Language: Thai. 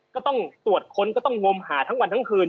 ก็ต้องตรวจค้นก็ต้องงมหาทั้งวันทั้งคืน